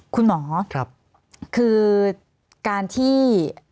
คุณหมอคือการที่